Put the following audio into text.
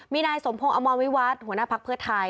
มีนายสมพงศ์อมรวิวัฒน์หัวหน้าภักดิ์เพื่อไทย